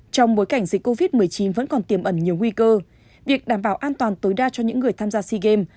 trong bối cảnh dịch covid một mươi chín vẫn còn tiềm ẩn nhiều nguy cơ việc đảm bảo an toàn tối đa cho những người tham gia sea games